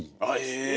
え！